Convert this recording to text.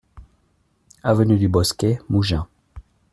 Avenue du Bosquet, Mougins